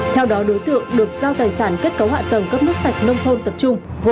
theo đó đối tượng được giao tài sản kết cấu hạ tầng cấp nước sạch nông thôn tập trung